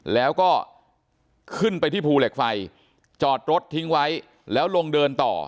แล้วก็ขึ้นไปที่ภูเหล็กไฟจอดรถทิ้งไว้แล้วลงเดินต่อ